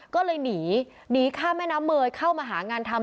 ก็เลยหนีหนีข้ามแม่น้ำเมยเข้ามาหางานทำ